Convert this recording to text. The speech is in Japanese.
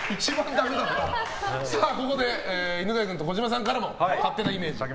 ここで犬飼君と児嶋さんからも勝手なイメージ。